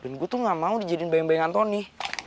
dan gue tuh gak mau dijadiin bayang bayang antoni